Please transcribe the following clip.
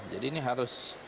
jadi ini harus